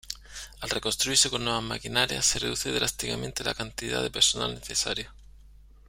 Al reconstruirse con nuevas maquinarias, se reduce drásticamente la cantidad de personal necesario.